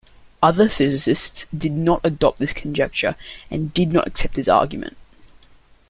Other physicists did not adopt this conjecture and did not accept his argument.